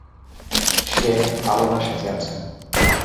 সে পালোমার সাথে আছে।